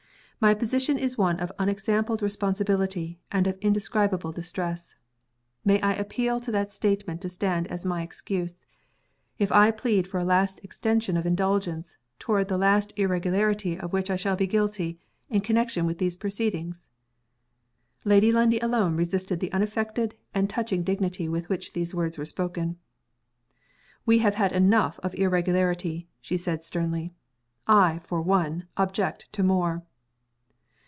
My position is one of unexampled responsibility and of indescribable distress. May I appeal to that statement to stand as my excuse, if I plead for a last extension of indulgence toward the last irregularity of which I shall be guilty, in connection with these proceedings?" Lady Lundie alone resisted the unaffected and touching dignity with which those words were spoken. "We have had enough of irregularity," she said sternly. "I, for one, object to more."